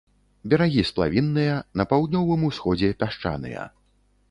Берагі сплавінныя, на паўднёвым усходзе пясчаныя.